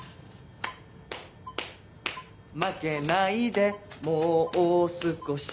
負けないでもう少し